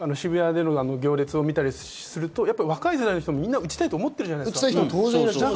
渋谷の行列を見ると、若い世代もみんな打ちたいと思ってるじゃないですか。